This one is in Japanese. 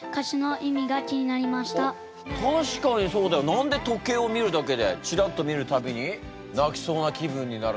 何で時計を見るだけで「チラッと見るたびに泣きそうな気分になるの？」。